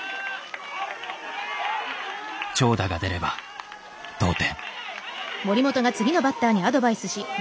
長打が出れば同点。